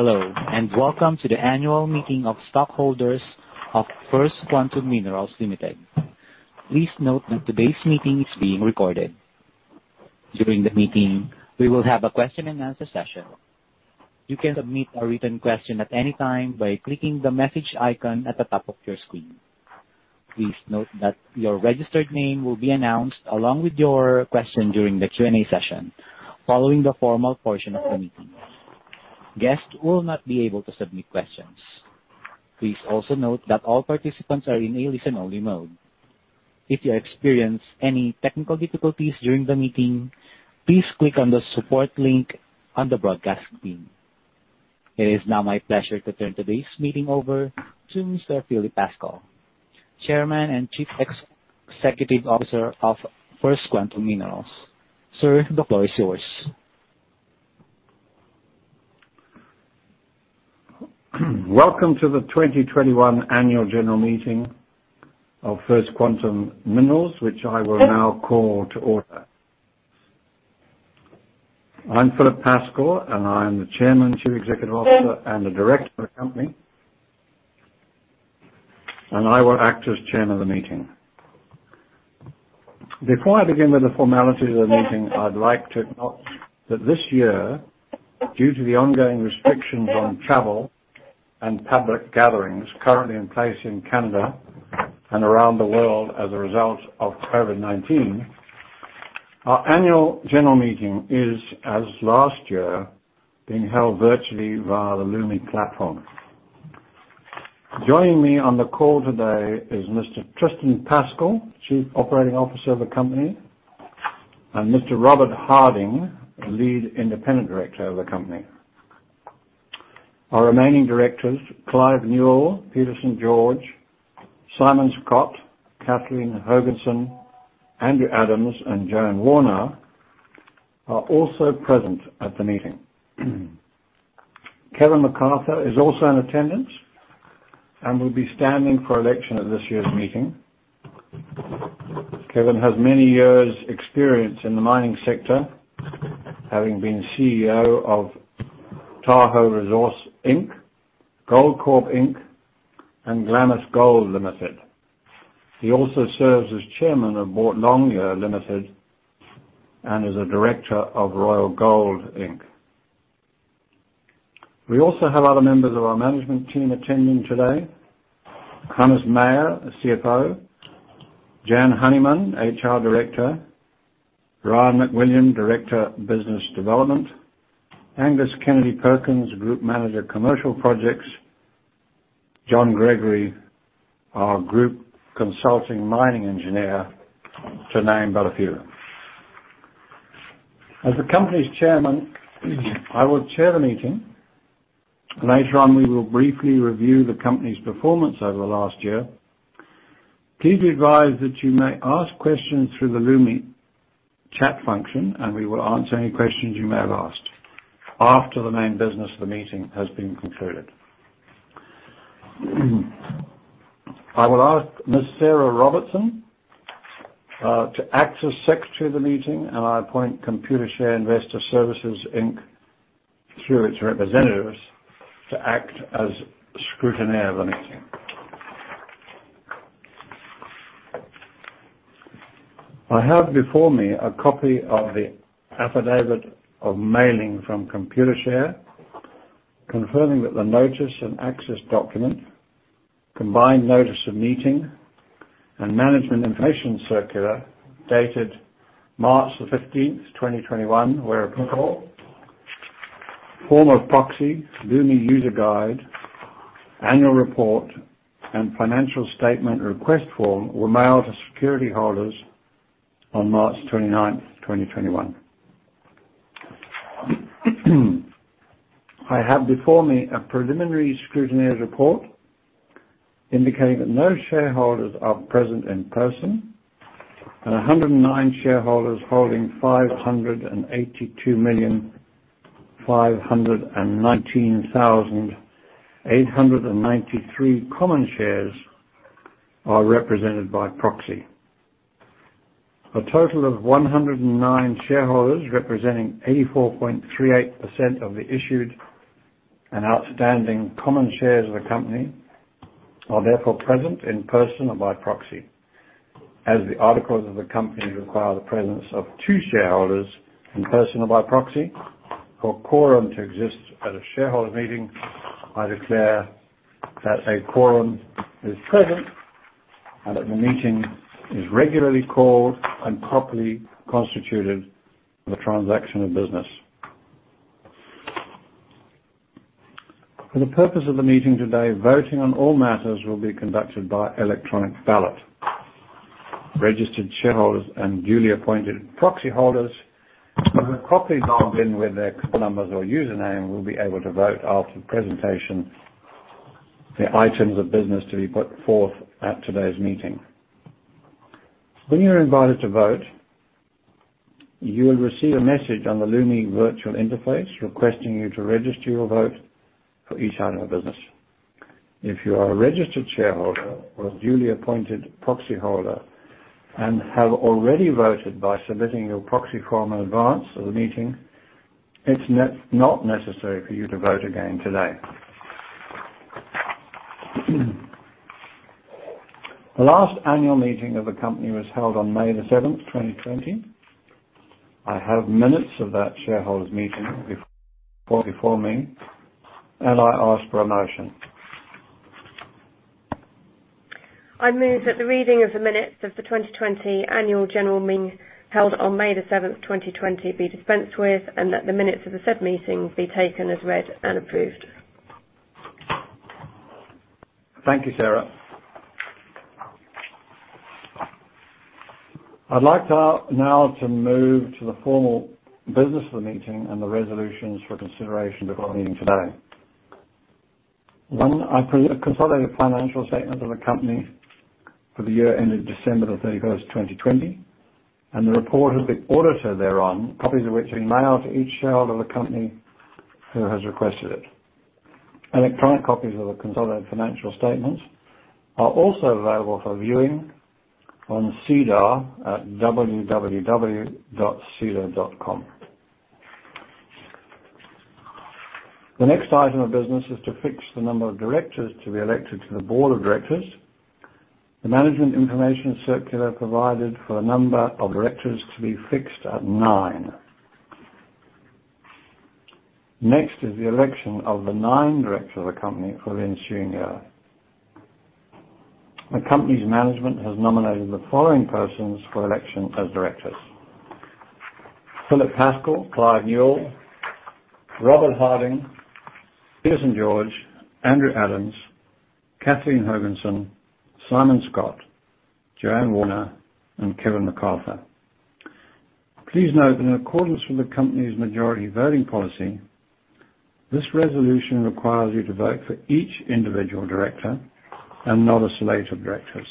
Hello, and welcome to the Annual Meeting of Stockholders of First Quantum Minerals Limited. Please note that today's meeting is being recorded. During the meeting, we will have a question-and-answer session. You can submit a written question at any time by clicking the message icon at the top of your screen. Please note that your registered name will be announced along with your question during the Q&A session, following the formal portion of the meeting. Guests will not be able to submit questions. Please also note that all participants are in a listen-only mode. If you experience any technical difficulties during the meeting, please click on the support link on the broadcast screen. It is now my pleasure to turn today's meeting over to Mr. Philip Pascall, Chairman and Chief Executive Officer of First Quantum Minerals. Sir, the floor is yours. Welcome to the 2021 Annual General Meeting of First Quantum Minerals, which I will now call to order. I'm Philip Pascall, and I am the Chairman and Chief Executive Officer and a director of the company, and I will act as chairman of the meeting. Before I begin with the formalities of the meeting, I'd like to note that this year, due to the ongoing restrictions on travel and public gatherings currently in place in Canada and around the world as a result of COVID-19, our annual general meeting is, as last year, being held virtually via the Lumi platform. Joining me on the call today is Mr. Tristan Pascall, Chief Operating Officer of the company, and Mr. Robert Harding, Lead Independent Director of the company. Our remaining directors, Clive Newall, Peter St. George, Simon Scott, Kathleen Hogenson, Andrew Adams, and Joanne Warner, are also present at the meeting. Kevin McArthur is also in attendance and will be standing for election at this year's meeting. Kevin has many years' experience in the mining sector, having been CEO of Tahoe Resources Inc., Goldcorp Inc., and Glamis Gold Ltd. He also serves as Chairman of Boart Longyear Limited and is a Director of Royal Gold, Inc. We also have other members of our management team attending today. Hannes Meyer, the CFO, Jan Honeyman, HR Director, Ryan MacWilliam, Director of Business Development, Angus Kennedy-Perkins, Group Manager, Commercial Projects, John Gregory, our Group Consulting Mining Engineer, to name but a few. As the company's Chairman, I will Chair the meeting. Later on, we will briefly review the company's performance over the last year. Please be advised that you may ask questions through the Lumi chat function, and we will answer any questions you may have asked after the main business of the meeting has been concluded. I will ask Ms. Sarah Robertson to act as Secretary of the meeting, and I appoint Computershare Investor Services Inc., through its representatives, to act as scrutineer of the meeting. I have before me a copy of the affidavit of mailing from Computershare, confirming that the notice and access document, combined notice of meeting, and management information circular dated March 15, 2021, were applicable. Form of proxy, Lumi user guide, annual report, and financial statement request form were mailed to security holders on March 29, 2021. I have before me a preliminary scrutineer's report indicating that no shareholders are present in person, and 109 shareholders holding 582,519,893 common shares are represented by proxy. A total of 109 shareholders, representing 84.38% of the issued and outstanding common shares of the company, are therefore present in person or by proxy. As the articles of the company require the presence of two shareholders, in person or by proxy, for a quorum to exist at a shareholder meeting, I declare that a quorum is present and that the meeting is regularly called and properly constituted for the transaction of business. For the purpose of the meeting today, voting on all matters will be conducted by electronic ballot. Registered shareholders and duly appointed proxy holders who have properly logged in with their account numbers or username will be able to vote after the presentation of the items of business to be put forth at today's meeting. When you're invited to vote, you will receive a message on the Lumi virtual interface requesting you to register your vote for each item of business. If you are a registered shareholder or a duly appointed proxy holder and have already voted by submitting your proxy form in advance of the meeting, it's not necessary for you to vote again today. The last annual meeting of the company was held on May the 7th, 2020. I have minutes of that shareholders' meeting before me, and I ask for a motion. I move that the reading of the minutes of the 2020 Annual General Meeting held on May the 7th, 2020, be dispensed with, and that the minutes of the said meeting be taken as read and approved. Thank you, Sarah. I'd like now to move to the formal business of the meeting and the resolutions for consideration before the meeting today. One, a consolidated financial statement of the company for the year ended December the 31st, 2020, and the report of the auditor thereon, copies of which we mailed to each shareholder of the company who has requested it. Electronic copies of the consolidated financial statements are also available for viewing on SEDAR at www.sedar.com. The next item of business is to fix the number of directors to be elected to the board of directors. The management information circular provided for the number of directors to be fixed at nine. Next is the election of the nine directors of the company for the ensuing year. The company's management has nominated the following persons for election as directors: Philip Pascall, Clive Newall, Robert Harding, Peter St. George, Andrew Adams, Kathleen Hogenson, Simon Scott, Joanne Warner, and Kevin McArthur. Please note that in accordance with the company's majority voting policy, this resolution requires you to vote for each individual director and not a slate of directors.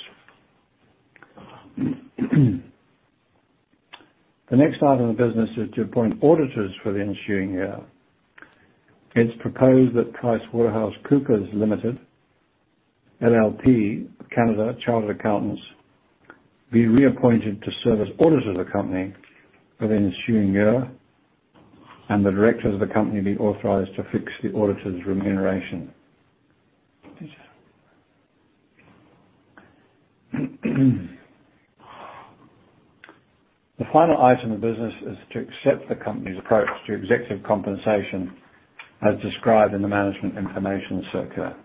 The next item of business is to appoint auditors for the ensuing year. It's proposed that PricewaterhouseCoopers LLP, Canada Chartered Accountants, be reappointed to serve as auditors of the company for the ensuing year and the directors of the company be authorized to fix the auditors' remuneration. The final item of business is to accept the company's approach to executive compensation as described in the management information circular.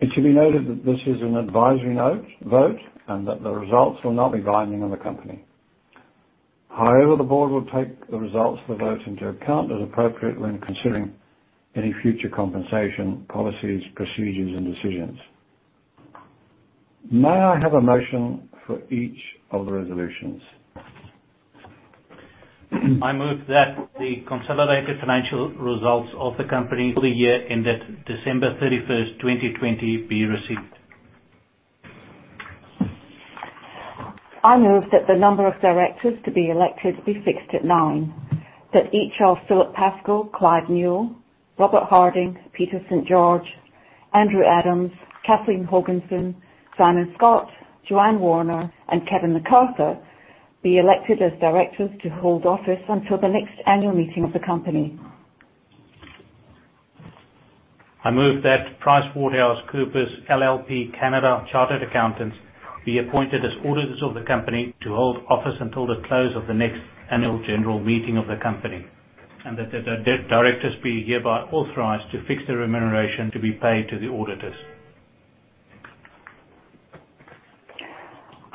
It should be noted that this is an advisory vote, and that the results will not be binding on the company. However, the board will take the results of the vote into account as appropriate when considering any future compensation, policies, procedures, and decisions. May I have a motion for each of the resolutions? I move that the consolidated financial results of the company for the year ended December 31st, 2020, be received. I move that the number of directors to be elected be fixed at nine, that each of Philip Pascall, Clive Newall, Robert Harding, Peter St. George, Andrew Adams, Kathleen Hogenson, Simon Scott, Joanne Warner, and Kevin McArthur be elected as directors to hold office until the next annual meeting of the company. I move that PricewaterhouseCoopers LLP Canada Chartered Accountants be appointed as auditors of the company to hold office until the close of the next annual general meeting of the company, and that the directors be hereby authorized to fix the remuneration to be paid to the auditors.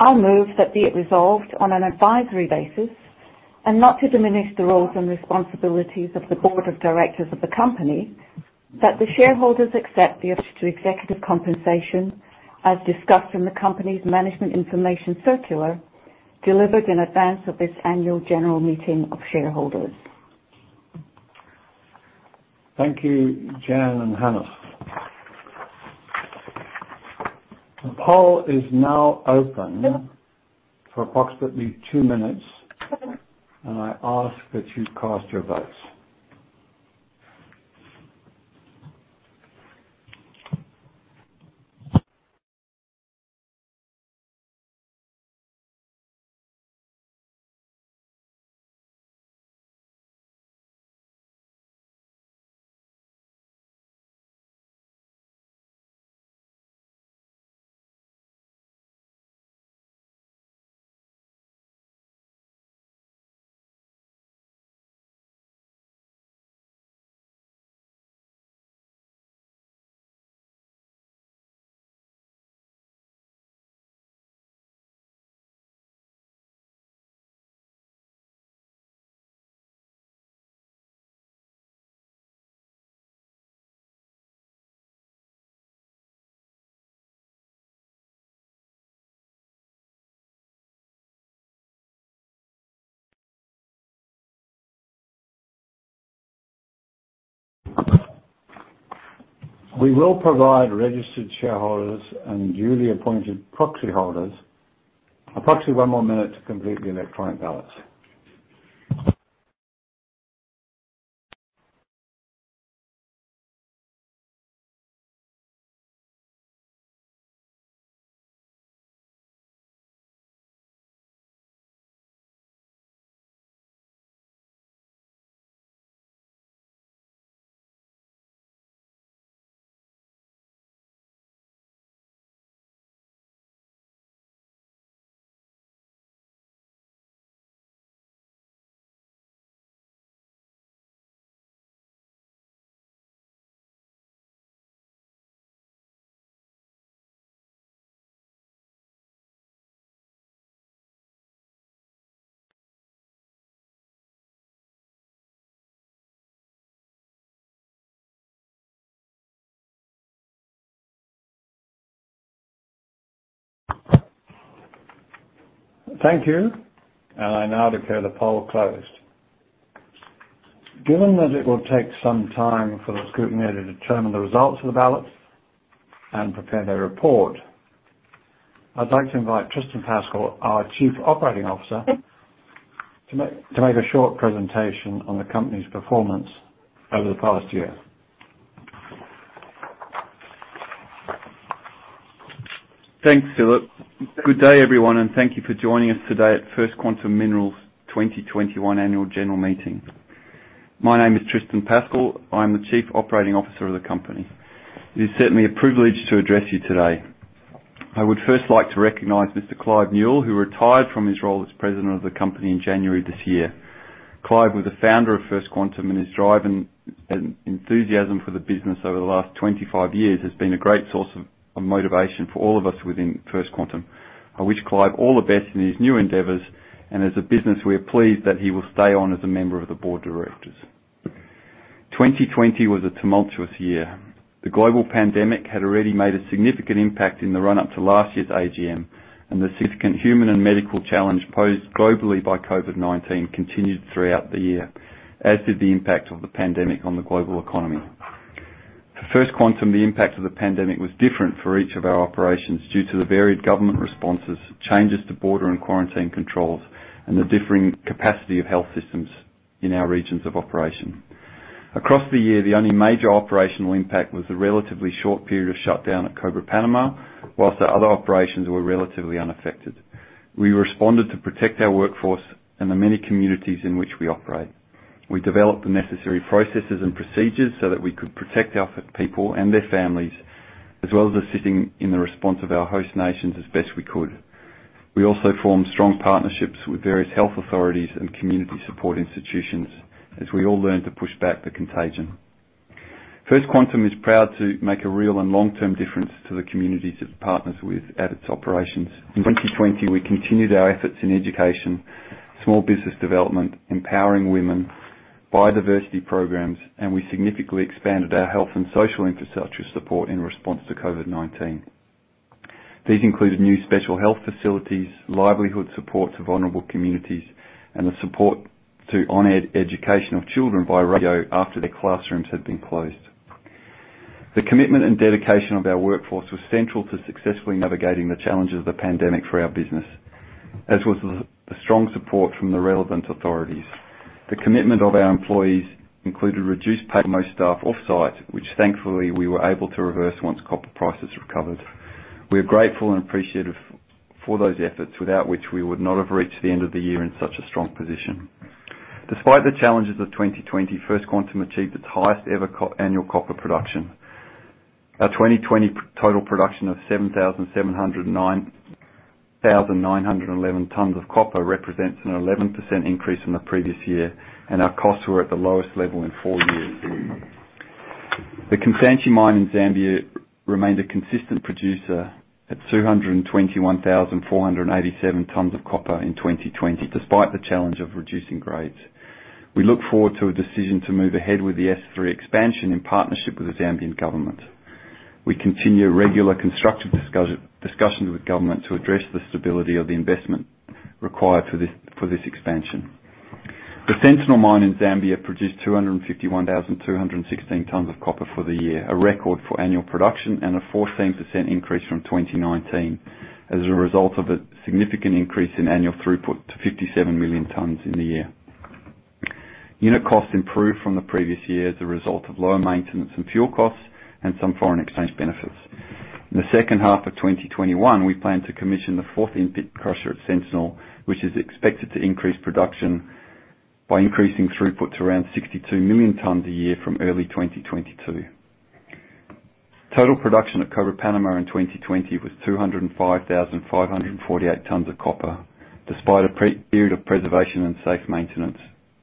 I move that be it resolved on an advisory basis, and not to diminish the roles and responsibilities of the board of directors of the company, that the shareholders accept the approach to executive compensation as discussed in the company's management information circular, delivered in advance of this annual general meeting of shareholders. Thank you, Jan and Hannes. The poll is now open for approximately two minutes, and I ask that you cast your votes. We will provide registered shareholders and duly appointed proxy holders approximately one more minute to complete the electronic ballots. Thank you. I now declare the poll closed. Given that it will take some time for the scrutineer to determine the results of the ballot and prepare their report, I'd like to invite Tristan Pascall, our Chief Operating Officer, to make a short presentation on the company's performance over the past year. Thanks, Philip. Good day, everyone, and thank you for joining us today at First Quantum Minerals 2021 Annual General Meeting. My name is Tristan Pascall. I am the Chief Operating Officer of the company. It is certainly a privilege to address you today. I would first like to recognize Mr. Clive Newall, who retired from his role as President of the company in January this year. Clive was the Founder of First Quantum, and his drive and enthusiasm for the business over the last 25 years has been a great source of motivation for all of us within First Quantum. I wish Clive all the best in his new endeavors, and as a business, we are pleased that he will stay on as a member of the board of directors. 2020 was a tumultuous year. The global pandemic had already made a significant impact in the run-up to last year's AGM, and the significant human and medical challenge posed globally by COVID-19 continued throughout the year, as did the impact of the pandemic on the global economy. For First Quantum, the impact of the pandemic was different for each of our operations due to the varied government responses, changes to border and quarantine controls, and the differing capacity of health systems in our regions of operation. Across the year, the only major operational impact was the relatively short period of shutdown at Cobre Panamá, while our other operations were relatively unaffected. We responded to protect our workforce and the many communities in which we operate. We developed the necessary processes and procedures so that we could protect our people and their families, as well as assisting in the response of our host nations as best we could. We also formed strong partnerships with various health authorities and community support institutions as we all learned to push back the contagion. First Quantum is proud to make a real and long-term difference to the communities it partners with at its operations. In 2020, we continued our efforts in education, small business development, empowering women, biodiversity programs, and we significantly expanded our health and social infrastructure support in response to COVID-19. These included new special health facilities, livelihood support to vulnerable communities, and the support to online education of children via radio after their classrooms had been closed. The commitment and dedication of our workforce was central to successfully navigating the challenges of the pandemic for our business, as was the strong support from the relevant authorities. The commitment of our employees included reduced pay for most staff offsite, which thankfully we were able to reverse once copper prices recovered. We are grateful and appreciative for those efforts, without which we would not have reached the end of the year in such a strong position. Despite the challenges of 2020, First Quantum achieved its highest ever annual copper production. Our 2020 total production of 778,911 tonnes of copper represents an 11% increase from the previous year, and our costs were at the lowest level in four years. The Kansanshi Mine in Zambia remained a consistent producer at 221,487 tonnes of copper in 2020, despite the challenge of reducing grades. We look forward to a decision to move ahead with the S3 Expansion in partnership with the Zambian government. We continue regular constructive discussions with government to address the stability of the investment required for this expansion. The Sentinel Mine in Zambia produced 251,216 tonnes of copper for the year, a record for annual production and a 14% increase from 2019, as a result of a significant increase in annual throughput to 57 million tonnes in the year. Unit costs improved from the previous year as a result of lower maintenance and fuel costs and some foreign exchange benefits. In the second half of 2021, we plan to commission the fourth in-pit crusher at Sentinel, which is expected to increase production by increasing throughput to around 62 million tonnes a year from early 2022. Total production at Cobre Panamá in 2020 was 205,548 tonnes of copper, despite a period of preservation and safe maintenance,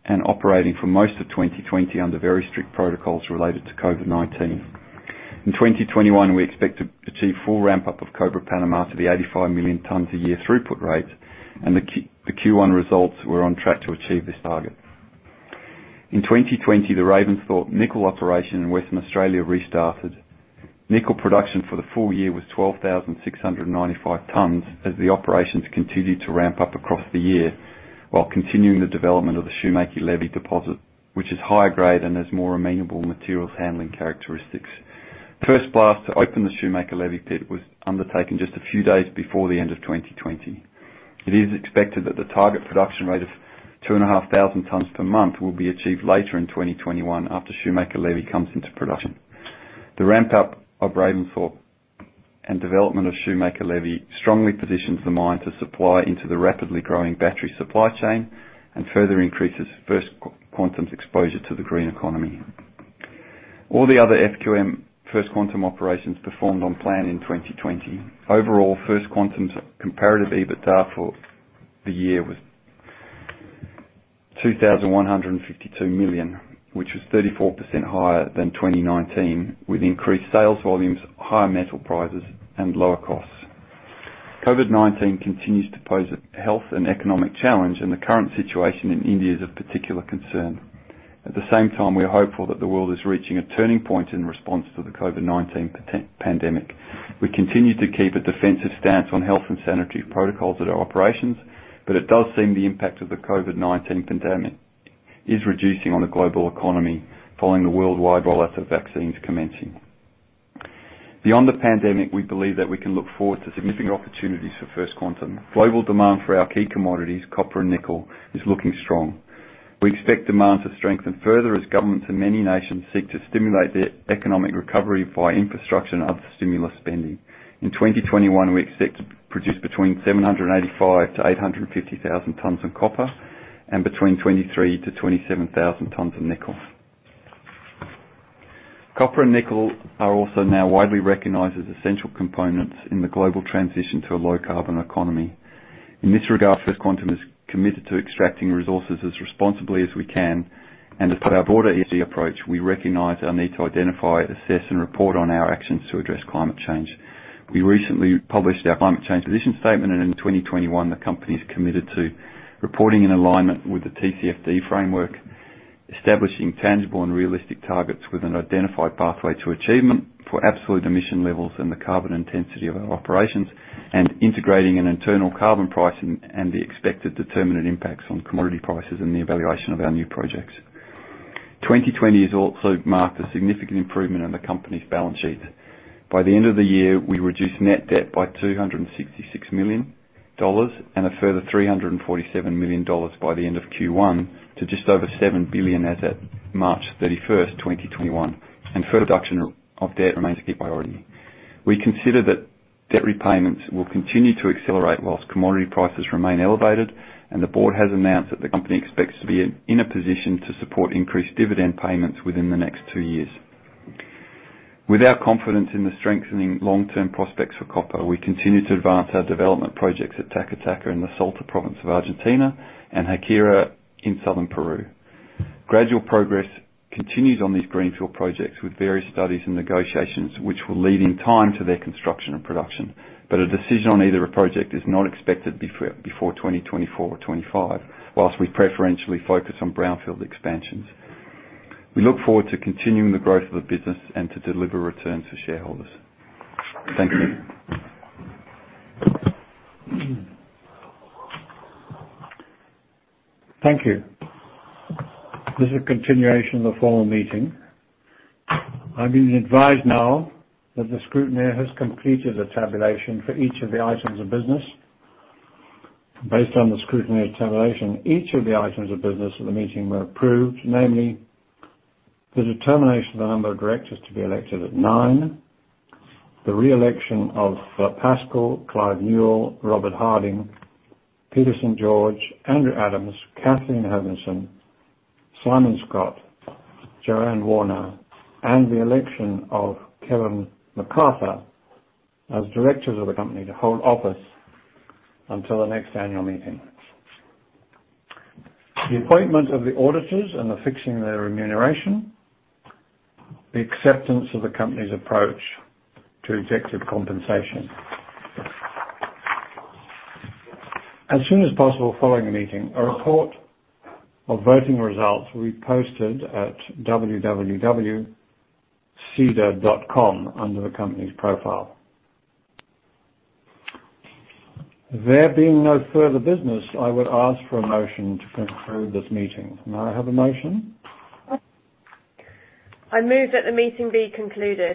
and operating for most of 2020 under very strict protocols related to COVID-19. In 2021, we expect to achieve full ramp-up of Cobre Panamá to the 85 million tonnes a year throughput rate, and the Q1 results were on track to achieve this target. In 2020, the Ravensthorpe nickel operation in Western Australia restarted. Nickel production for the full year was 12,695 tonnes as the operations continued to ramp up across the year while continuing the development of the Shoemaker-Levy deposit, which is higher grade and has more amenable materials handling characteristics. First blast to open the Shoemaker-Levy pit was undertaken just a few days before the end of 2020. It is expected that the target production rate of 2,500 tonnes per month will be achieved later in 2021 after Shoemaker-Levy comes into production. The ramp up of Ravensthorpe and development of Shoemaker-Levy strongly positions the mine to supply into the rapidly growing battery supply chain and further increases First Quantum's exposure to the green economy. All the other FQM First Quantum operations performed on plan in 2020. Overall, First Quantum's comparative EBITDA for the year was $2,152 million, which was 34% higher than 2019 with increased sales volumes, higher metal prices, and lower costs. COVID-19 continues to pose a health and economic challenge, and the current situation in India is of particular concern. At the same time, we are hopeful that the world is reaching a turning point in response to the COVID-19 pandemic. We continue to keep a defensive stance on health and sanitary protocols at our operations, but it does seem the impact of the COVID-19 pandemic is reducing on the global economy following the worldwide rollout of vaccines commencing. Beyond the pandemic, we believe that we can look forward to significant opportunities for First Quantum. Global demand for our key commodities, copper and nickel, is looking strong. We expect demand to strengthen further as governments in many nations seek to stimulate their economic recovery via infrastructure and other stimulus spending. In 2021, we expect to produce between 785,000-850,000 tonnes of copper and between 23,000-27,000 tonnes of nickel. Copper and nickel are also now widely recognized as essential components in the global transition to a low-carbon economy. In this regard, First Quantum is committed to extracting resources as responsibly as we can, and as part of our broader approach, we recognize our need to identify, assess, and report on our actions to address climate change. We recently published our climate change position statement. In 2021, the company is committed to reporting in alignment with the TCFD framework, establishing tangible and realistic targets with an identified pathway to achievement for absolute emission levels and the carbon intensity of our operations, and integrating an internal carbon pricing and the expected determinant impacts on commodity prices and the evaluation of our new projects. 2020 has also marked a significant improvement in the company's balance sheet. By the end of the year, we reduced net debt by $266 million, and a further $347 million by the end of Q1 to just over $7 billion as at March 31st, 2021, and further reduction of debt remains a key priority. We consider that debt repayments will continue to accelerate while commodity prices remain elevated, and the board has announced that the company expects to be in a position to support increased dividend payments within the next two years. With our confidence in the strengthening long-term prospects for copper, we continue to advance our development projects at Taca Taca in the Salta Province of Argentina and Haquira in Southern Peru. Gradual progress continues on these greenfield projects with various studies and negotiations which will lead in time to their construction and production. A decision on either project is not expected before 2024 or 2025, whilst we preferentially focus on brownfield expansions. We look forward to continuing the growth of the business and to deliver returns to shareholders. Thank you. Thank you. This is a continuation of the formal meeting. I've been advised now that the scrutineer has completed the tabulation for each of the items of business. Based on the scrutineer's tabulation, each of the items of business of the meeting were approved, namely the determination of the number of directors to be elected at nine, the re-election of Philip Pascall, Clive Newall, Robert Harding, Peter St. George, Andrew Adams, Kathleen Hogenson, Simon Scott, Joanne Warner, and the election of Kevin McArthur as directors of the company to hold office until the next annual meeting. The appointment of the auditors and the fixing of their remuneration, the acceptance of the company's approach to executive compensation. As soon as possible following the meeting, a report of voting results will be posted at www.sedar.com under the company's profile. There being no further business, I would ask for a motion to conclude this meeting. May I have a motion? I move that the meeting be concluded.